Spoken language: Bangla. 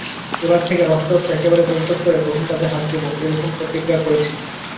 এবার থেকে রসচর্চা একেবারে পরিত্যাগ করে কঠিন কাজে হাত দেব, এইরকম প্রতিজ্ঞা করেছি।